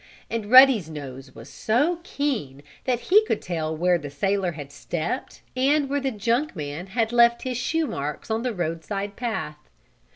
And Ruddy's nose was so keen that he could tell where the sailor had stepped and where the junk man had left his shoe marks on the roadside path.